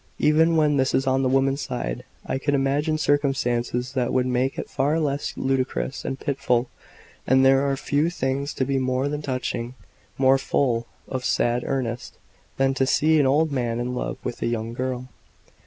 Even when this is on the woman's side, I can imagine circumstances that would make it far less ludicrous and pitiful; and there are few things to me more touching, more full of sad earnest, than to see an old man in love with a young girl.